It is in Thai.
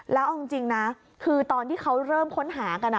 แล้วเอาจริงนะคือตอนที่เขาเริ่มค้นหากัน